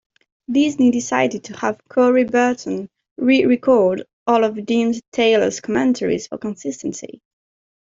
Disney decided to have Corey Burton re-record all of Deems Taylor's commentaries for consistency.